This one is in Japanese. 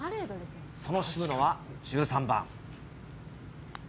その渋野は１３番。